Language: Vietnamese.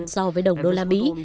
so với đồng đô la mỹ